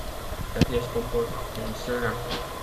La pièce comporte un seul acte.